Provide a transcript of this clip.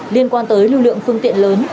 liên quan tới lưu lượng phương tiện lớn